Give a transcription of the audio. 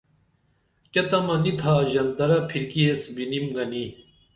کیہ تمہ نی تھا ژنترہ پھرکی ایس بِنِم گنی